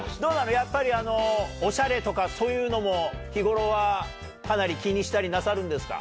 やっぱりオシャレとかそういうのも日頃はかなり気にしたりなさるんですか？